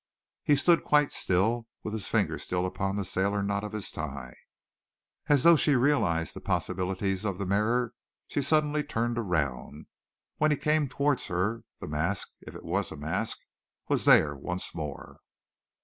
He stood quite still, with his fingers still upon the sailor knot of his tie. As though she realized the possibilities of the mirror, she suddenly turned around. When he came towards her, the mask, if it was a mask, was there once more.